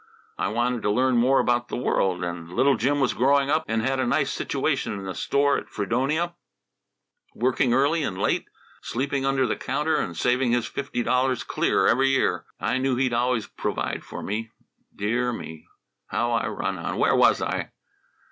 I wanted to learn more about the world, and little Jim was growing up and had a nice situation in the store at Fredonia, working early and late, sleeping under the counter, and saving his fifty dollars clear every year. I knew he'd always provide for me Dear me! how I run on! Where was I?"